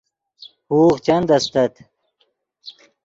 ہوغ چند استت